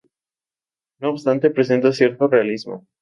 No obstante, presenta cierto realismo.